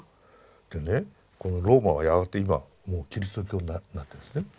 でねこのローマはやがて今もうキリスト教になってるんですね。